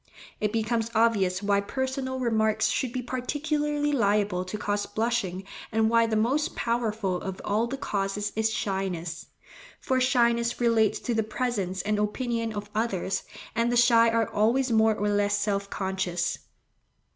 It becomes obvious why personal remarks should be particularly liable to cause blushing, and why the most powerful of all the causes is shyness; for shyness relates to the presence and opinion of others, and the shy are always more or less self conscious.